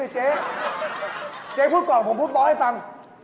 เจ๊พูดกล่องผมพูดบ๊อกให้ฟัง